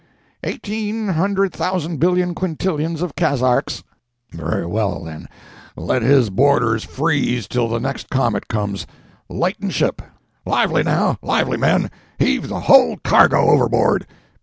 "Eighteen hundred thousand billion quintillions of kazarks." "Very well, then, let his boarders freeze till the next comet comes. Lighten ship! Lively, now, lively, men! Heave the whole cargo overboard!"